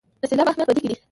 د سېلاب اهمیت په دې کې دی.